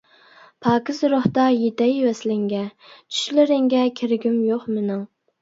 پاكىز روھتا يېتەي ۋەسلىڭگە، چۈشلىرىڭگە كىرگۈم يوق مېنىڭ.